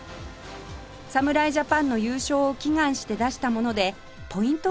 侍ジャパンの優勝を祈願して出したものでポイント